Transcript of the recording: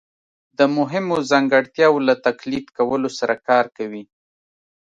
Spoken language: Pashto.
د مهمو ځانګړتیاوو له تقلید کولو سره کار کوي